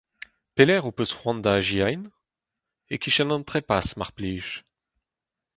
Pelec’h ho peus c’hoant da azezañ ? E-kichen an trepas, mar plij.